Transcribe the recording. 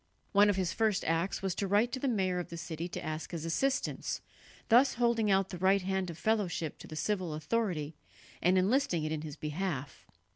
One of his first acts was to write to the mayor of the city to ask his assistance, thus holding out the right hand of fellowship to the civil authority, and enlisting it in his behalf.